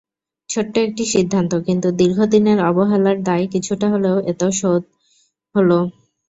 ছোট্ট একটি সিদ্ধান্ত, কিন্তু দীর্ঘদিনের অবহেলার দায় কিছুটা হলেও এতে শোধ হলো।